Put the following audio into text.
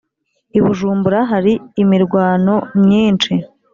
Ibujumbura hari imirwano myinshi